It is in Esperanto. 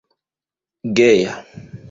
geja